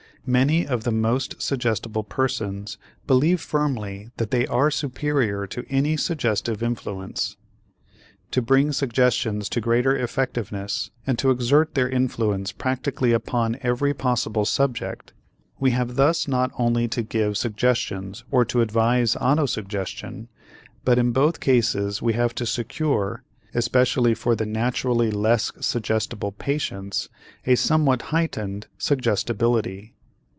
Many of the most suggestible persons believe firmly that they are superior to any suggestive influence. To bring suggestions to greater effectiveness and to exert their influence practically upon every possible subject, we have thus not only to give suggestions or to advise autosuggestion but in both cases we have to secure, especially for the naturally less suggestible patients, a somewhat heightened suggestibility.